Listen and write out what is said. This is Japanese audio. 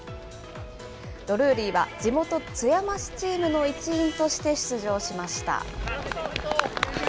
ドルーリーは地元、津山市チームの一員として出場しました。